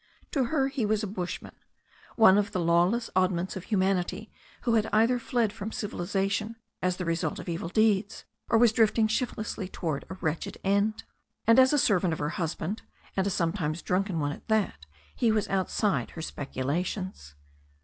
To her he was a bushman, one of the lawless oddments of humanity who had either fled from civilization, as the result of evil deeds, or was drifting shiftlessly towards a wretched end. And, as a servant of her husband, and a sometimes drunken one at that, he was outside her speculations.